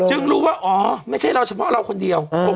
รู้ว่าอ๋อไม่ใช่เราเฉพาะเราคนเดียว